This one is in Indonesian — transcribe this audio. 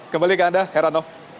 kembali ke anda herr arnaud